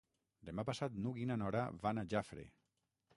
Demà passat n'Hug i na Nora van a Jafre.